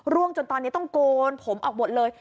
จนตอนนี้ต้องโกนผมออกหมดเลย